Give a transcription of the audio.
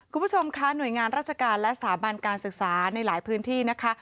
คุณผู้ชมค่ะหน่วยงานราชการและสถาบันการศึกษาในหลายพื้นที่นะคะ